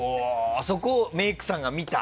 そこをメイクさんが見た。